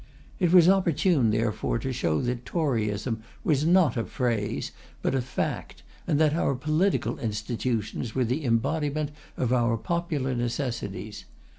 It was opportune, therefore, to show that Toryism was not a phrase, but a fact; and that our political institutions were the embodiment of our popular necessities.